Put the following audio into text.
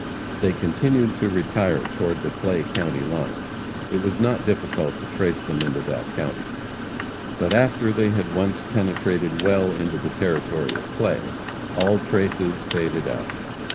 They continued to retire toward the Clay county line. It was not difficult to trace them into that county. But after they had once penetrated well into the territory of Clay, all traces faded out.